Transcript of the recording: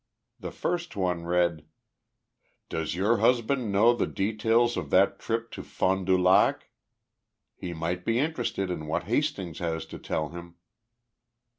The first one read: Does your husband know the details of that trip to Fond du Lac? He might be interested in what Hastings has to tell him.